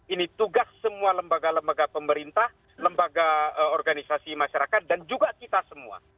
ini tugas semua lembaga lembaga pemerintah lembaga organisasi masyarakat dan juga kita semua